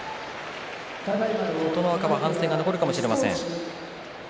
琴ノ若は反省が残るかもしれません。